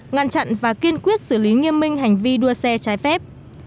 ngăn chặn và kiên quyết xử lý nghiêm minh hành vi đua xe trái phép